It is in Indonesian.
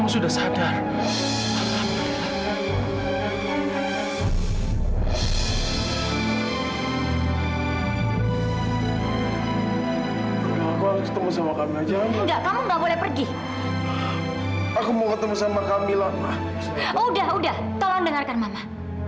sudah sudah tolong dengarkan mama